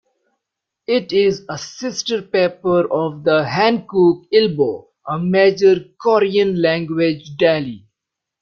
It is a sister paper of the "Hankook Ilbo", a major Korean language daily.